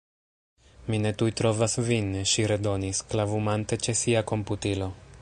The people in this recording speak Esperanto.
Mi ne tuj trovas vin, ŝi redonis, klavumante ĉe sia komputilo.